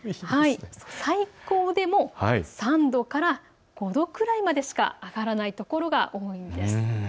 最高でも３度から５度くらいまでしか上がらないところが多いです。